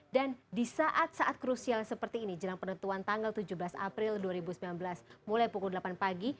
dan di saat saat krusial seperti ini jelang penentuan tanggal tujuh belas april dua ribu sembilan belas mulai pukul delapan pagi